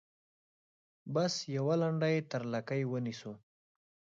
بس یوه لنډۍ تر لکۍ ونیسو.